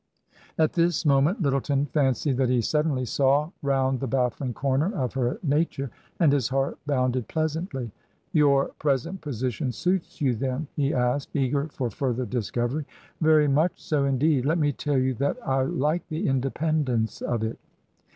136 TRANSITION. At this moment Lyttleton fancied that he suddenly saw round the baffling comer of her nature, and his heart bounded pleasantly. " Your present position suits you, then ?" he asked, eager for further discovery. " Very much so indeed. Let me tell you that I like the independence of it."